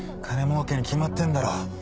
金儲けに決まってんだろ。